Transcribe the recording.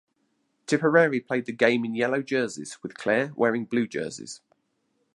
Tipperary played the game in yellow jerseys with Clare wearing blue jerseys.